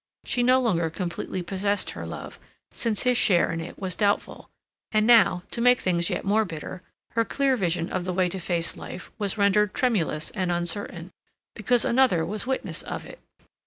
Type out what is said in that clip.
She no longer completely possessed her love, since his share in it was doubtful; and now, to make things yet more bitter, her clear vision of the way to face life was rendered tremulous and uncertain, because another was witness of it.